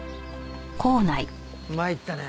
参ったね。